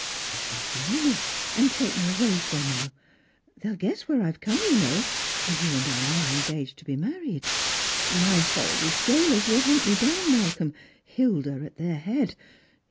" That they'll follow me, and take me away from you. They'll guess where I've come, you know ; as you and I are engaged to be married. My horrible jailers will hunt me down, Mal colm ; Hilda at their head.